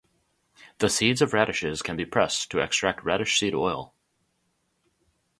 The seeds of radishes can be pressed to extract radish seed oil.